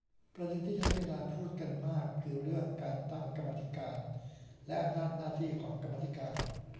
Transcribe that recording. ประเด็นที่ใช้เวลาพูดกันมาก คือเรื่องการตั้งกรรมมาธิการ และ อำนาจหน้าที่ของกรรมาธิการ